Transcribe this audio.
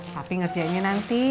tapi ngerjainnya nanti